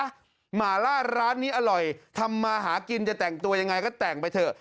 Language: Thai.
หมาล่าร้านนี้อร่อยทำมาหากินจะแต่งตัวยังไงก็แต่งไปเถอะ